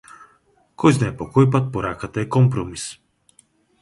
Којзнае по кој пат пораката е компромис.